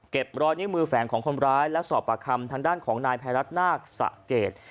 รอยนิ้วมือแฝงของคนร้ายและสอบประคำทางด้านของนายภัยรัฐนาคสะเกด